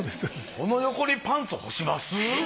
この横にパンツ干します？